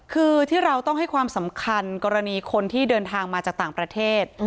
คือที่เราต้องให้ความสำคัญกรณีคนที่เดินทางมาจากต่างประเทศ